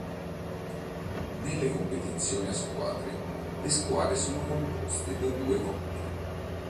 Nelle competizioni a squadre, le squadre sono composte da due coppie.